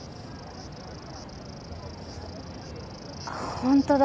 ホントだ。